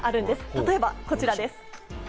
例えばこちらです。